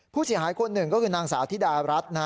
ผู้เสียหายคนหนึ่งก็คือนางสาวธิดารัฐ